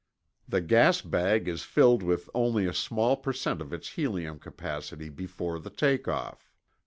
The gas bag is filled with only a small per cent of its helium capacity before the take off.